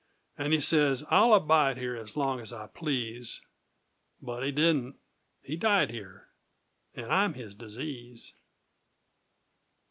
And he says: "I'll abide here As long as I please!" But he didn't.... He died here And I'm his disease!